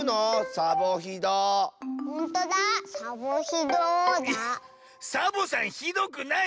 サボさんひどくないよ！